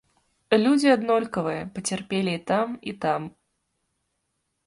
Людзі аднолькавыя, пацярпелі і там, і там.